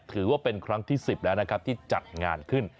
ถือว่าเป็นครั้งที่๑๐แล้วนะครับที่จัดงานขึ้น